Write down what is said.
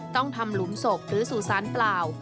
ต้องทำหลุมศพหรือสู่สารเปล่า